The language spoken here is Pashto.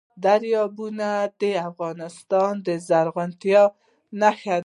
دریابونه د افغانستان د زرغونتیا نښه ده.